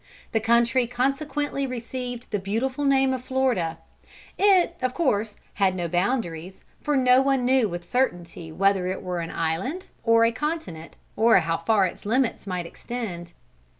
The country consequently received the beautiful name of Florida. It, of course, had no boundaries, for no one knew with certainty whether it were an island or a continent, or how far its limits might extend.